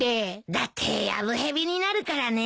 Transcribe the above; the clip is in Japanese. だってやぶ蛇になるからね。